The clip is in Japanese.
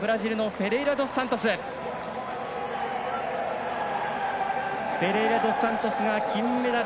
フェレイラドスサントスが金メダル。